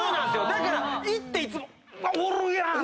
だから行っていつもおるやん！とか。